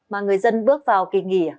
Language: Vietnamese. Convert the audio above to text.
mà người dân bước vào kỳ nghỉ